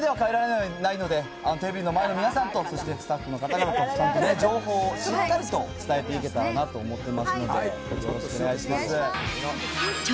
でも、僕だけでは変えられないので、テェビの前の皆さんと、そしてスタッフの方々とちゃんと情報をしっかりと伝えていけたらなと思っていますんで、よろしくお願いいたします。